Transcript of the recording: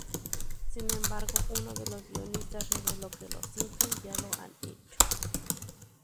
Sin embargo, uno de los guionistas reveló que "Los Simpson ya lo han hecho".